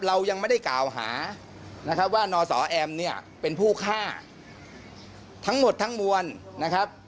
เรายังไม่ได้กล่าวหานะครับว่านสแอมเนี่ยเป็นผู้ฆ่าทั้งหมดทั้งมวลนะครับ